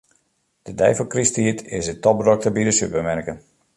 De dei foar krysttiid is it topdrokte by de supermerken.